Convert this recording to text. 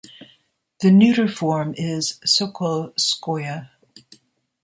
The neuter form is Sokolskoye.